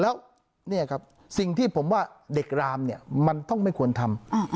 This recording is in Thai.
แล้วเนี่ยครับสิ่งที่ผมว่าเด็กรามเนี่ยมันต้องไม่ควรทำ